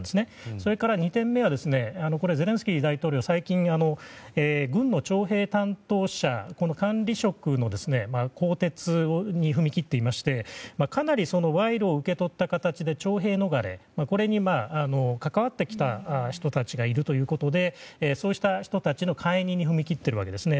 それから２点目ではゼレンスキー大統領、最近軍の徴兵担当者の管理職の更迭に踏み切っていましてかなり賄賂を受け取った形で徴兵逃れに関わってきた人たちがいるということでそうした人たちの解任に踏み切っているわけですね。